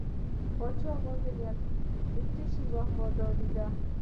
پاچا صاحب وویل د څه شي وفاداره دی.